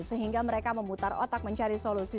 sehingga mereka memutar otak mencari solusi